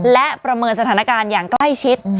และประเมินสถานการณ์อย่างใกล้ชิด